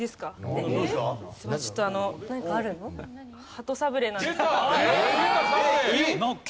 鳩サブレーなんですけど。出た！